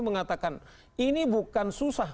bahkan ini bukan susah